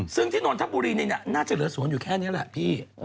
ซึ่งที่นนทบุรีนี่น่าจะเหลือสวนอยู่แค่นี้แหละพี่